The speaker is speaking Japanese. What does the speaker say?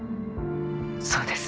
そうです。